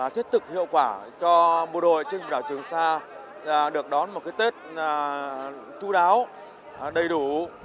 thiết thực hiệu quả cho bộ đội trên đảo trường sa được đón một tết chú đáo đầy đủ